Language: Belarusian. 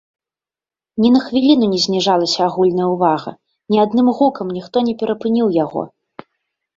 Ні на хвіліну не зніжалася агульная ўвага, ні адным гукам ніхто не перапыніў яго.